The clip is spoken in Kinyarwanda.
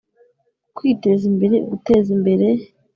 ku kwiteza imbere, guteza imbere